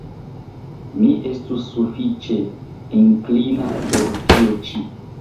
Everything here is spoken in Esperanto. Mi estus sufiĉe inklina por tio ĉi.